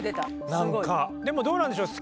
でもどうなんでしょう？